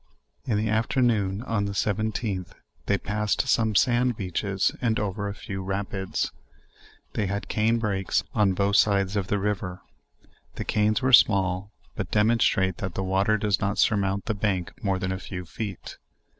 In the afternoon on the 17th they passed some sand beach esj and over a few rapids. They had cane brakes on both sides of the river; the>canes were small, but demonstrate that the water does not surmount the bank more than a few feet.